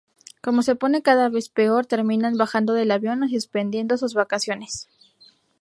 Como se pone cada vez peor, terminan bajando del avión y suspendiendo sus vacaciones.